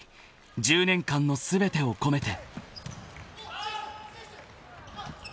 １０年間の全てを込めて］